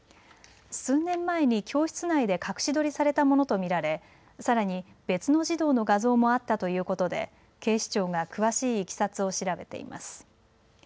数年前に教室内で隠し撮りされたものと見られさらに別の児童の画像もあったということで警視庁が詳しいいきさつを調べています。